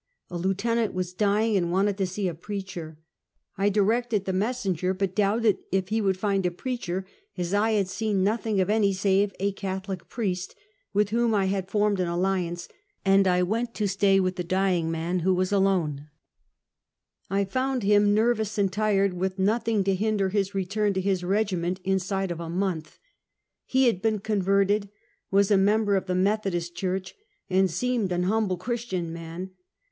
A lieutenant was dying, and wanted to see a preacher. I directed the messenger, but doubted if he would find a preach er, as I had seen nothing of any save a Catholic priest, with whom I had formed an alliance; and I went to stay with the dying man, who was alone. 336 Half a Centuey. I found him nervous and tired, with nothing to hin der his return to his regiment inside of a month. He had been converted, was a member of the Methodist church, and seemed an humble Christian man.